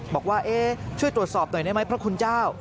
บอกว่าช่วยตรวจสอบหน่อยได้ไหมพระคุณเจ้า